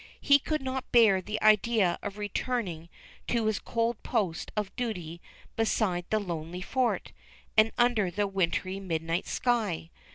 He could not bear the idea of returning to his cold post of duty beside the lonely fort, and under the wintry midnight sky.